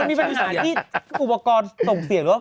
คนมีปัญหาที่อุปกรณ์ส่งเสียงแล้ว